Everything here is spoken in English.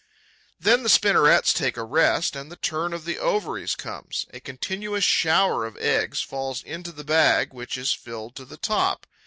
Then the spinnerets take a rest and the turn of the ovaries comes. A continuous shower of eggs falls into the bag, which is filled to the top.